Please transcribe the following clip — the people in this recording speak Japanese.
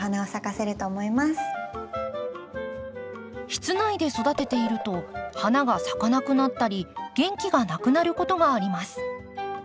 室内で育てていると花が咲かなくなったり元気がなくなることがあります。